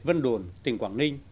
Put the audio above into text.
vân đồn tỉnh quảng ninh